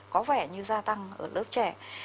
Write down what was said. có vẻ như gia tăng ở lớp trẻ